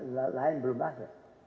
lain belum ada